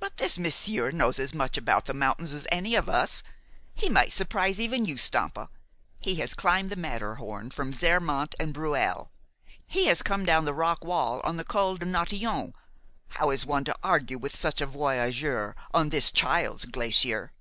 "But this monsieur knows as much about the mountains as any of us. He might surprise even you, Stampa. He has climbed the Matterhorn from Zermatt and Breuil. He has come down the rock wall on the Col des Nantillons. How is one to argue with such a voyageur on this child's glacier?"